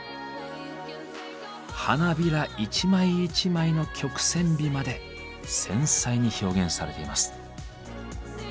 花びら一枚一枚の曲線美まで繊細に表現されています。